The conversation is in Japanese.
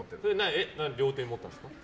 両手に持ってるんですか？